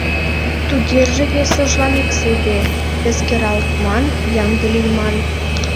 Тугеже весыжлан эксыде эскералтман, ямде лийман.